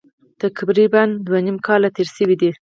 تقریبا دوه نیم کاله تېر شوي دي.